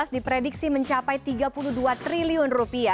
diprediksi mencapai rp tiga puluh dua triliun